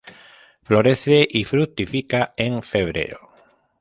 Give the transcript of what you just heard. Florece y fructifica en febrero.